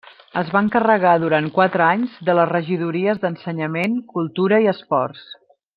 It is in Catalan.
Es va encarregar durant quatre anys de les regidories d’Ensenyament, Cultura i Esports.